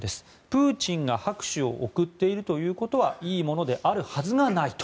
プーチンが拍手を送っているということはいいものであるはずがないと。